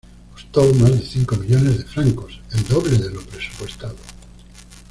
Costó más de cinco millones de francos, el doble de lo presupuestado.